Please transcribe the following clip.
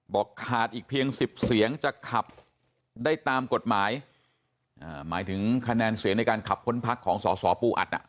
บอกขาดอีกเพียงสิบเสียงจะขับได้ตามกฎหมายหมายถึงคะแนนเสียงในการขับพ้นพักของสอสอปูอัดอ่ะ